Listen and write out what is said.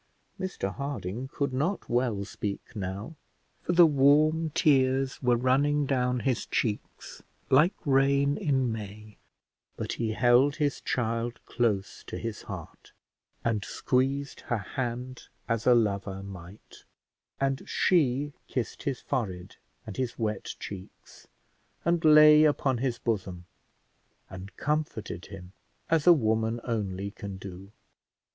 Mr Harding could not well speak now, for the warm tears were running down his cheeks like rain in May, but he held his child close to his heart, and squeezed her hand as a lover might, and she kissed his forehead and his wet cheeks, and lay upon his bosom, and comforted him as a woman only can do.